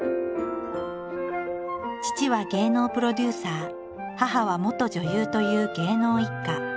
父は芸能プロデューサー母は元女優という芸能一家。